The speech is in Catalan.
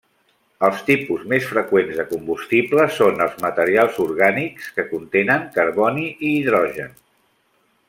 Els tipus més freqüents de combustible són els materials orgànics que contenen carboni i hidrogen.